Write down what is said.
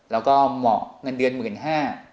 แล้วก็เหมาะเงินเดือน๑๕๐๐บาท